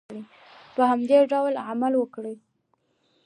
په همدې ډول عمل وکړئ.